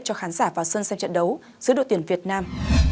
cho khán giả vào sơn xem trận đấu giữa đội tuyển việt nam